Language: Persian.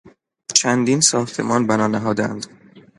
چندین ساختمان بنا نهادهاند.